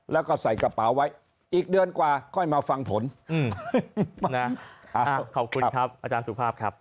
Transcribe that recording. แล้วก็ใส่กระเป๋าไว้อีกเดือนกว่าค่อยมาฟังผลขอบคุณครับอาจารย์สุภาพครับ